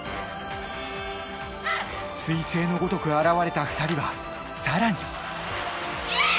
彗星のごとく現れた２人は更に。